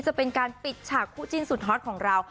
จะเป็นการปิดฉากคู่จิ้นสุดฮอตของเรา